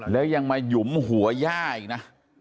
แล้วยังมาหยุมหัวย่าอีกนะ